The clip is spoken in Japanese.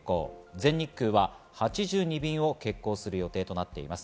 全日空は８２便を欠航する予定となっております。